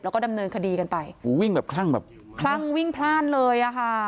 แล้วก็ดำเนินคดีกันไปอู๋วิ่งแบบคลั่งแบบคลั่งวิ่งพลาดเลยอ่ะค่ะ